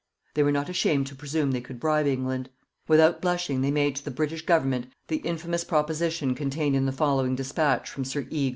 They were not ashamed to presume they could bribe England. Without blushing they made to the British Government the infamous proposition contained in the following despatch from Sir E.